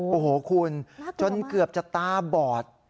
น่ากลัวมากจนเกือบจะตาบอด